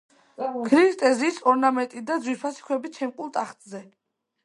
ქრისტე ზის ორნამენტით და ძვირფასი ქვებით შემკულ ტახტზე.